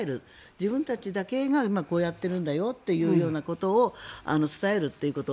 自分たちだけが今こうやっているんだよというようなことを伝えるということ。